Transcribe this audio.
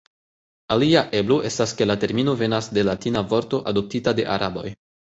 Alia eblo estas ke la termino venas de latina vorto adoptita de araboj.